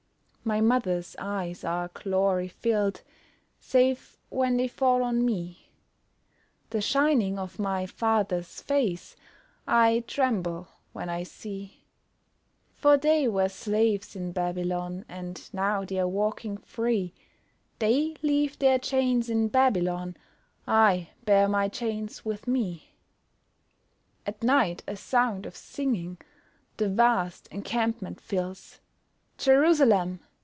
My mother's eyes are glory filled (Save when they fall on me) The shining of my father's face I tremble when I see, For they were slaves in Babylon, And now they're walking free They leave their chains in Babylon, I bear my chains with me! At night a sound of singing The vast encampment fills; "Jerusalem!